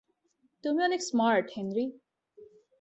তুমি অনেক smart, Henry.